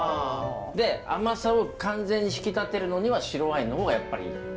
で甘さを完全に引き立てるのには白ワインの方がやっぱり。